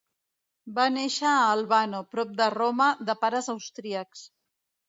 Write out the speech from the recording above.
Va nàixer a Albano, prop de Roma, de pares austríacs.